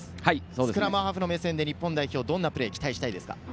スクラムハーフの目線で日本代表にはどんなプレーを期待したいですか？